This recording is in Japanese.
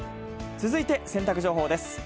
続いて、洗濯情報です。